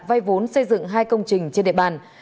vay vốn xây dựng hai công trình trên địa bàn